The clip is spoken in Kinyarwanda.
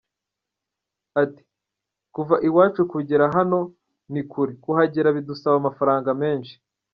Ati “ Kuva iwacu kugera hano ni kure kuhagera bidusaba amafaranga menshi.